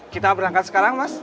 kita berangkat sekarang mas